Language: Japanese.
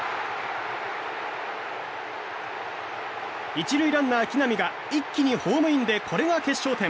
１塁ランナー、木浪が一気にホームインでこれが決勝点。